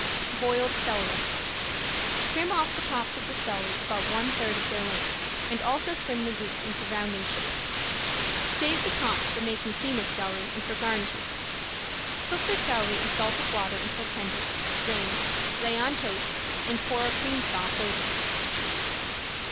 ~BOILED CELERY~ Trim off the tops of the celery about one third of their length, and also trim the roots into rounding shape. Save the tops for making cream of celery and for garnishes, cook the celery in salted water until tender, drain, lay on toast, and pour a cream sauce over.